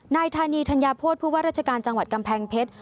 นายธานีธัญโพธผู้ว่าราชการจังหวัดกำแพงเพชร